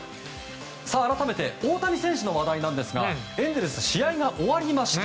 改めて大谷選手の話題なんですがエンゼルス試合が終わりました。